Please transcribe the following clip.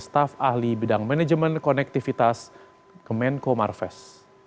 staf ahli bidang manajemen konektivitas kemenko marves